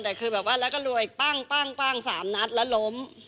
แต่คือแบบว่าแล้วก็รวยปั้ง๓นัดแล้วล้ม